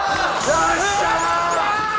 よっしゃあ！